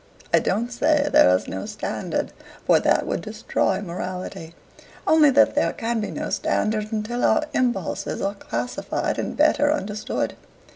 "I don't say there is no standard, for that would destroy morality; only that there can be no standard until our impulses are classified and better understood."